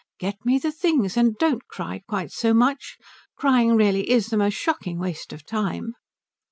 "Get me the things. And don't cry quite so much. Crying really is the most shocking waste of time."